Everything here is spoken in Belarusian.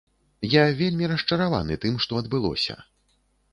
Я вельмі расчараваны тым, што адбылося.